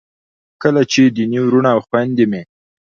کله چې دیني وروڼه او خویندې مې